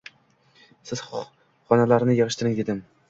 Siz xonalarni yig`ishtiring, dedim